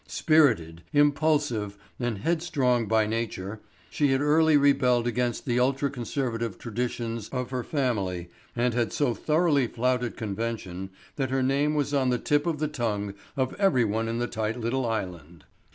Spirited, impulsive, and headstrong by nature she had early rebelled against the ultra conservative traditions of her family and had so thoroughly flouted convention that her name was on the tip of the tongue of everyone in the tight little island.